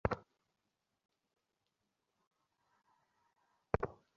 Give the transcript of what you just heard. তিনি সংক্ষিপ্ত সময়ের জন্য হ্যালে-উইটেনবার্গ বিশ্ববিদ্যালয় এ অধ্যাপনা করেন।